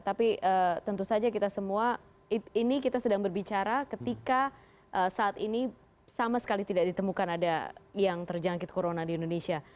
tapi tentu saja kita semua ini kita sedang berbicara ketika saat ini sama sekali tidak ditemukan ada yang terjangkit corona di indonesia